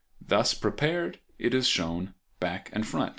Thus prepared it is shown back and front.